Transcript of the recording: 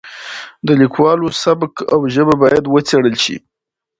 د لیکوالو سبک او ژبه باید وڅېړل شي.